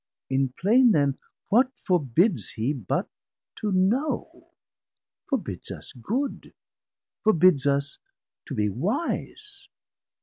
In plain then, what forbids he but to know, Forbids us good, forbids us to be wise?